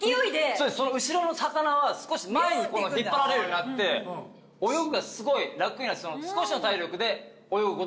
そうですその後ろの魚は少し前に引っ張られるようになって泳ぎがすごい楽になって少しの体力で泳ぐことができるという。